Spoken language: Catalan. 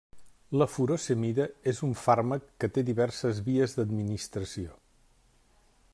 La furosemida és un fàrmac que té diverses vies d'administració.